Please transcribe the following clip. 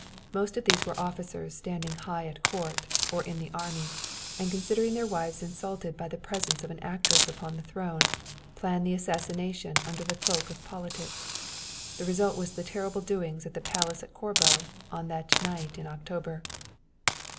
"Most of these were officers standing high at court or in the army, and considering their wives insulted by the presence of an actress upon the throne, planned the assassination under the cloak of politics. The result was the terrible doings at the Palace at Corbo on that night in October.